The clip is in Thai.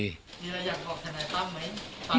มีอะไรอยากบอกทนายตั้มไหม